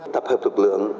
tập hợp thực lượng